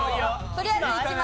とりあえず１枚。